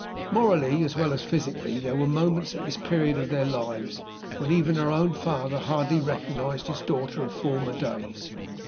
Morally as well as physically, there were moments, at this period of their lives, when even her own father hardly recognized his daughter of former days.